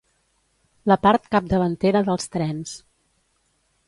La part capdavantera dels trens.